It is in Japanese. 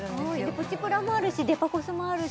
プチプラもあるしデパコスもあるし